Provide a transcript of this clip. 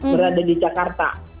berada di jakarta